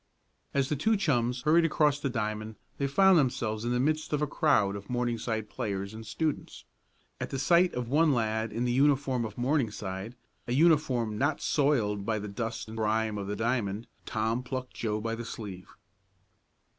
As the two chums hurried across the diamond they found themselves in the midst of a crowd of Morningside players and students. At the sight of one lad in the uniform of Morningside, a uniform not soiled by the dust and grime of the diamond, Tom plucked Joe by the sleeve.